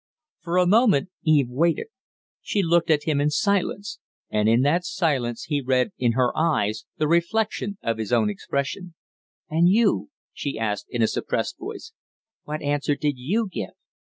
For a moment Eve waited. She looked at him in silence; and in that silence he read in her eyes the reflection of his own expression. "And you?" she asked, in a suppressed voice. "What answer did you give?"